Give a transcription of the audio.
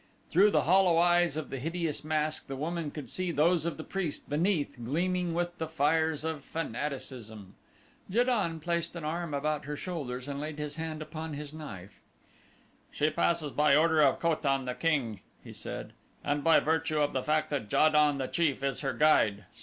Through the hollow eyes of the hideous mask the woman could see those of the priest beneath gleaming with the fires of fanaticism. Ja don placed an arm about her shoulders and laid his hand upon his knife. "She passes by order of Ko tan, the king," he said, "and by virtue of the fact that Ja don, the chief, is her guide.